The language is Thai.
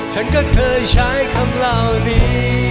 ฉันก็เคยใช้คำเหล่านี้